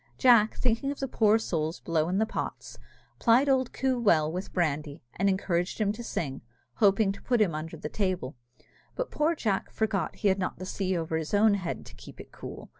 Jack, thinking of the poor souls below in the pots, plied old Coo well with brandy, and encouraged him to sing, hoping to put him under the table, but poor Jack forgot that he had not the sea over his own head to keep it cool.